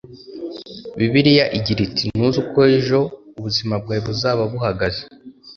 Bibiliya igira iti ntuzi uko ejo ubuzima bwawe buzaba buhagaze